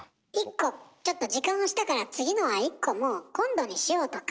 ちょっと時間押したから次のは１個もう今度にしようとか。